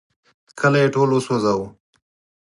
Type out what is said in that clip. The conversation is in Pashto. کلی ټول وسوځاوه.